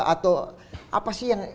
atau apa sih yang